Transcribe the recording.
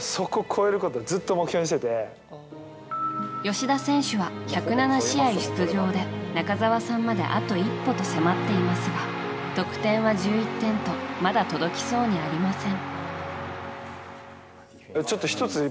吉田選手は１０７試合出場で中澤さんまであと一歩と迫っていますが得点は１１点とまだ届きそうにありません。